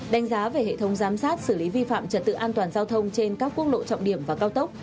đánh giá về hệ thống giám sát xử lý vi phạm trật tự an toàn giao thông trên các quốc lộ trọng điểm và cao tốc